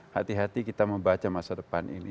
hati hati kita membaca masa depan ini